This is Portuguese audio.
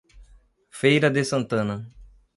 Feira de Santana